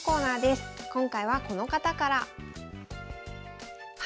今回はこの方から。